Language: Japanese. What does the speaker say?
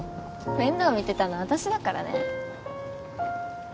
面倒見てたの私だからね。